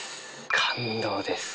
感動です。